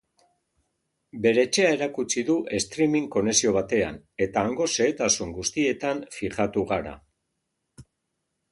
Bere etxea erakutsi du streaming konexio batean eta hango xehetasun guztietan fijatu gara.